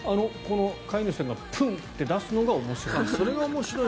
飼い主さんがプンッて出すのが面白い。